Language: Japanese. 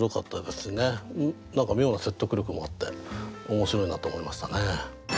何か妙な説得力もあって面白いなと思いましたね。